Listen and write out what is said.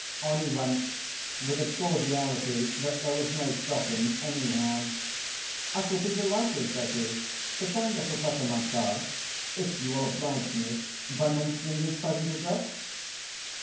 On he went, with a cordiality that there was no stopping anyhow. "I shall be delighted," says he, "to send the Professor my card, if you will oblige me by mentioning his present address."